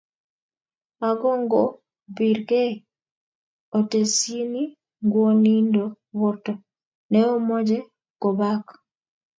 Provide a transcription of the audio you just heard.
Ako ngobirkei otesyini ngwonindo borto neomoche kobaak